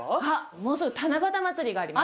もうすぐ七夕まつりがあります。